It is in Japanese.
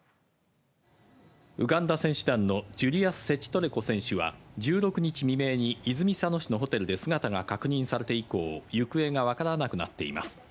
ウガンダ選手団のジュリアス・セチトレコ選手は、１６日未明に泉佐野市のホテルで姿が確認されて以降、行方が分からなくなっています。